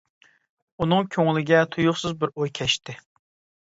ئۇنىڭ كۆڭلىگە تۇيۇقسىز بىر ئوي كەچتى.